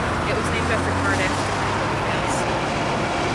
It was named after Cardiff, the capital of Wales.